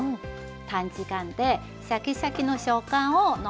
短時間でシャキシャキの食感を残して仕上がります。